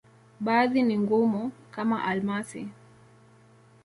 Baadhi ni ngumu, kama almasi.